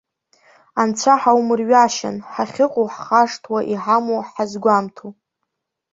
Анцәа ҳаумырҩашьан, ҳахьыҟоу ҳхашҭуа, иҳамоу ҳазгәамҭо.